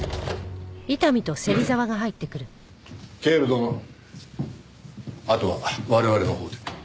警部殿あとは我々のほうで。